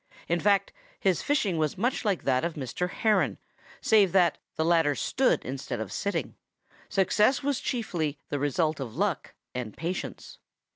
In fact, his fishing was much like that of Mr. Heron, save that the latter stood instead of sitting. Success was chiefly the result of luck and patience.